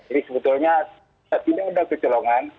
jadi sebetulnya saat ini sudah kecelakaan